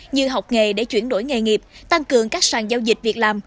như học nghề để chuyển đổi nghề nghiệp tăng cường các sàn giao dịch việc làm